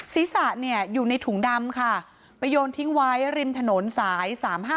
ศีรษะเนี่ยอยู่ในถุงดำค่ะไปโยนทิ้งไว้ริมถนนสาย๓๕